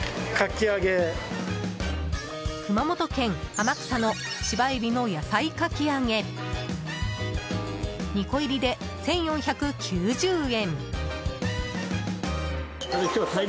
熊本県天草の芝海老の野菜かき揚げ２個入りで１４９０円。